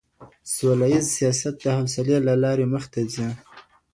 سوله ييز سياست د حوصلې له لاري مخي ته ځي.